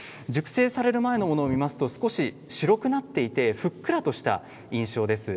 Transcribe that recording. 熟成される前の右側少し白くなっていてふっくらとした印象ですね。